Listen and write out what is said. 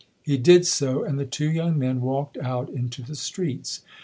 He did so, and the two young men walked out into the streets.